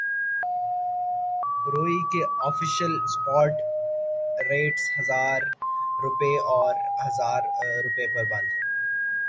روئی کے official spot rates ہزار روپے اور ہزار روپے پر بند